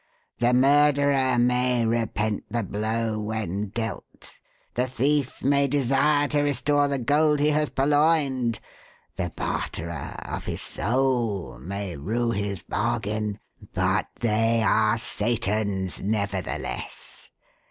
The murderer may repent the blow when dealt; the thief may desire to restore the gold he has purloined; the barterer of his soul may rue his bargain; but they are Satan's, nevertheless.